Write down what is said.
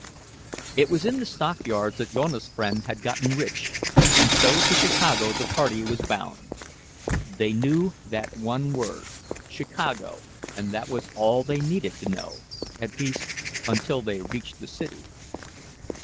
It was in the stockyards that Jonas' friend had gotten rich, and so to Chicago the party was bound. They knew that one word, Chicago and that was all they needed to know, at least, until they reached the city.